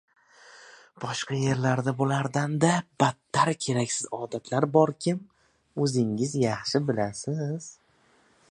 Boshqa yerlarda bulardanda battar keraksiz odatlar borkim, o‘zingiz yaxshi bilasiz.